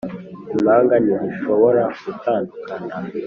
impanga ntizishobora gutandukana.